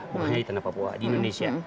bahkan di tengah papua di indonesia